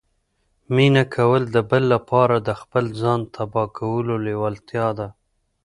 مینه کول د بل لپاره د خپل ځان تباه کولو لیوالتیا ده